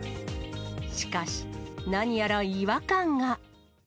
しかし、何やら違和感が。